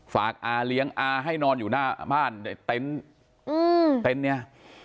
ฝากอ่าเลี้ยงอ่าให้นอนอยู่หน้าบ้านเต็นต์เนี่ย